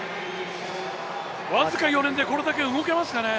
僅か４年でこれだけ動けますかね。